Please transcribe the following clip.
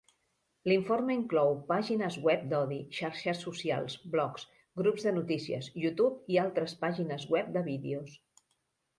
L'informe inclou pàgines web d'odi, xarxes socials, blogs, grups de notícies, YouTube i altres pàgines web de vídeos.